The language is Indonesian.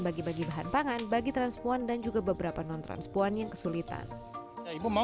bagi bagi bahan pangan bagi transpuan dan juga beberapa non transpuan yang kesulitan ibu mau